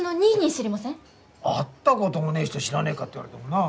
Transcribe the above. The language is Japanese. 会ったこともねえ人を知らねえかって言われてもな。